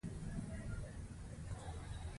نوی انځور ښکلی احساس لري